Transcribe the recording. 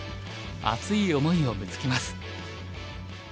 熱い想いをぶつけます。